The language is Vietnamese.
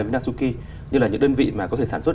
vinasuki như là những đơn vị mà có thể sản xuất